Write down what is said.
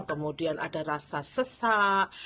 kemudian ada rasa sesak